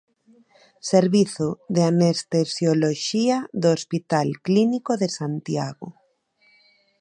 Servizo de Anestesioloxía do Hospital Clínico de Santiago.